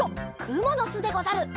くものすでござる。